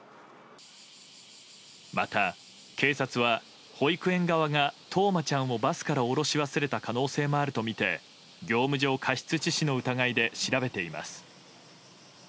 また、警察は園側が冬生ちゃんをバスから降ろし忘れた可能性もあるとみて業務上過失致死の疑いで調べています。